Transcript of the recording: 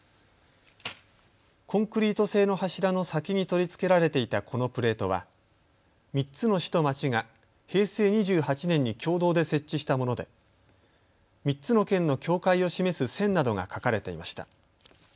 コンクリート製の柱の先に取り付けられていたこのプレートは３つの市と町が平成２８年に共同で設置したもので３つの県の境界を示す線などが書かれていました。